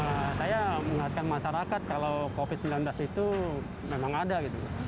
kalau untuk pesan saya mengatakan masyarakat kalau covid sembilan belas itu memang ada gitu